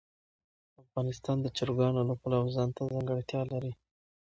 افغانستان د چرګانو له پلوه ځانته ځانګړتیا لري.